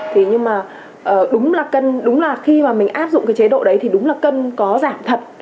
thì nhưng mà đúng là khi mà mình áp dụng cái chế độ đấy thì đúng là cân có giảm thật